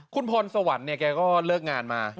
คุณพรสวรรค์ก็เลิกงานมา